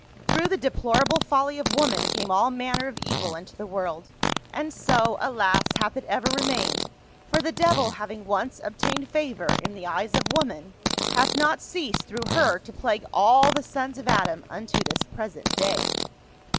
Through the deplorable folly of woman came all manner of evil into the world ; and so, alas, hath it ever remained, for the devil having once obtained favor in the eyes of woman, hath not ceased through her to plague all the sons of Adam unto this present day."